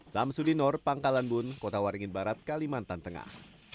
sam sudinor pangkalan bun kota waringin barat kalimantan tengah